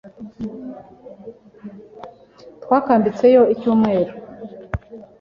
Twakambitseyo icyumweru.